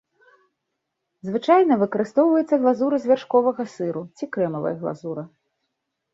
Звычайна выкарыстоўваецца глазура з вяршковага сыру ці крэмавая глазура.